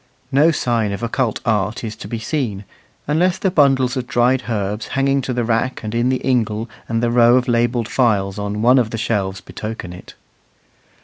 No sign of occult art is to be seen, unless the bundles of dried herbs hanging to the rack and in the ingle and the row of labelled phials on one of the shelves betoken it.